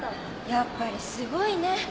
やっぱりすごいね。